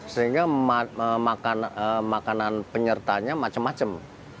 sehingga makanan penyertanya macam macam